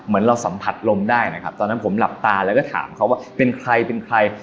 เหมือนเราสัมผัสลมได้นะครับตอนนั้นผมหลับตาแล้วก็ถามเขาว่าเป็นใครเป็นใคร